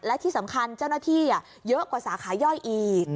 และที่สำคัญเจ้าหน้าที่เยอะกว่าสาขาย่อยอีก